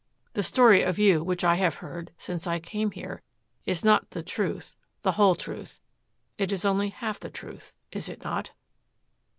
The story of you which I have heard since I came here is not the truth, the whole truth. It is only half the truth is it not?"